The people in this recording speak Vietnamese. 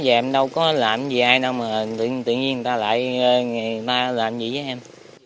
em đâu có làm gì ai đâu mà tự nhiên người ta lại làm gì với em